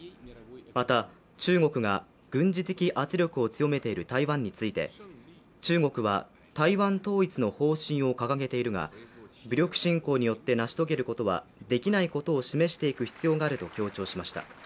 また中国が軍事的圧力を強めている台湾について、中国は台湾統一の方針を掲げているが、武力侵攻によって成し遂げることは出来ないことを示していく必要があると強調しました。